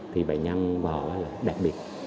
thì bệnh nhân vô là đặc biệt